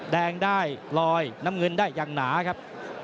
แดงได้ลอยน้ำเงินได้อย่างหนาครับ